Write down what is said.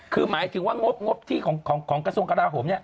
คือหมายถึงว่างบที่ของกระทรวงกระดาษห่วง